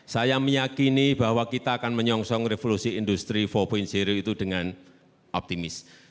saya meyakini bahwa kita akan menyongsong revolusi industri empat itu dengan optimis